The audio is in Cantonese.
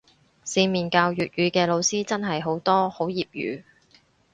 市面教粵語嘅老師真係好多好業餘